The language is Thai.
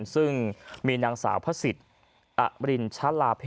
ซึ่งมีนางสาวพระศิษย์อรินชะลาเพ